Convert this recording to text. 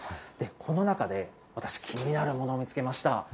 この中で私、気になるものを見つけました。